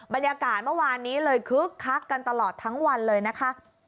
บรรยากาศเมื่อวานนี้เลยคึกคักกันตลอดทั้งวันเลยนะคะ